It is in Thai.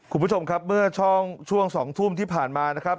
คุณผู้ชมครับเมื่อช่วง๒ทุ่มที่ผ่านมานะครับ